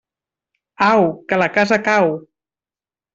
Au, que la casa cau.